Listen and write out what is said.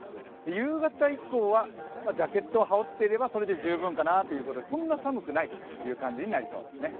夕方以降は、ジャケットを羽織っていればそれで十分かなということでそんな寒くないという感じになりそうですね。